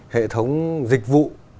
hệ thống dịch vụ